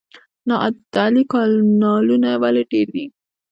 نادعلي کانالونه ولې ډیر دي؟